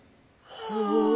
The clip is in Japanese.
はあ。